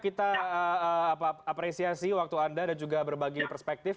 kita apresiasi waktu anda dan juga berbagi perspektif